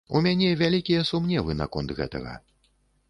У мяне вялікія сумневы наконт гэтага.